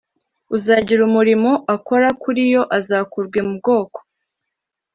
uzagira umurimo akora kuri yo azakurwe mu bwoko